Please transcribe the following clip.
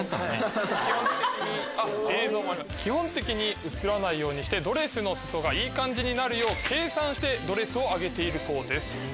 基本的に写らないようにしてドレスの裾がいい感じになるよう計算してドレスを上げているそうです。